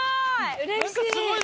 うれしい！